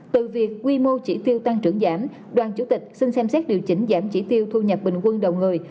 từ việc quy mô chỉ tiêu tăng trưởng giảm đoàn chủ tịch xin xem xét điều chỉnh giảm chỉ tiêu thu nhập bình quân đầu người